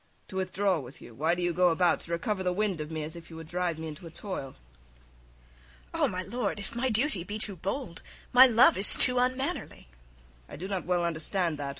To withdraw with you. Why do you go about to recover the wind of me, as if you would drive me into a toil?" IVANITCH. "O, my lord, if my duty be too bold, my love is too unmannerly." SVIETLOVIDOFF. "I do not well understand that.